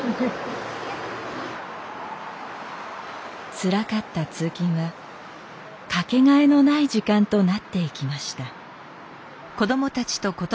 つらかった通勤は掛けがえのない時間となっていきました。